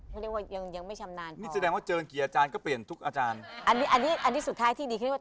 เขาเรียกว่ายังยังไม่ชำนาญนี่แสดงว่าเจอกี่อาจารย์ก็เปลี่ยนทุกอาจารย์อันนี้อันนี้สุดท้ายที่ดีคิดว่า